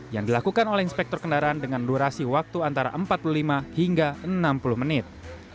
yang dilakukan oleh inspektor kendaraan dengan durasi waktu antara empat puluh lima hingga enam puluh menit